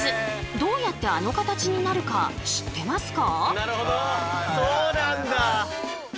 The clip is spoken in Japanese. どうやってあの形になるか知ってますか？